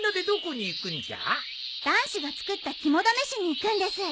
男子が作った肝試しに行くんです。